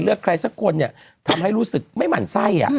ใครสักคนเนี่ยทำให้รู้สึกไม่หมั่นไส้